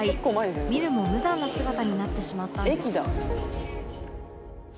見るも無残な姿になってしまったんです